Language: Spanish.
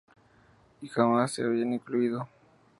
Y jamás se habían incluido.